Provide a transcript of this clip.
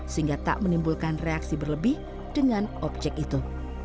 sehingga tak menimbulkan reaksi berlebih dengan objek itu